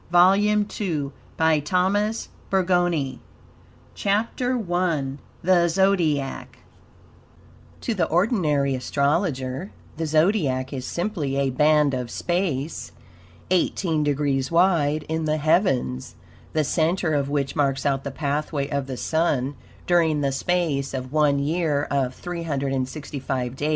MINNIE HIGGIN. CHAPTER 1 THE ZODIAC To the ordinary astrologer the Zodiac is simply a band of space, eighteen degrees wide, in the heavens, the center of which marks out the pathway of the Sun during the space of one year of 365 days, etc.